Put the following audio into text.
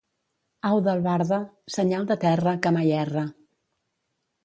Au d'albarda, senyal de terra que mai erra.